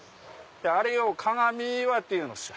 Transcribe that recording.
あれを鏡岩っていうのさ。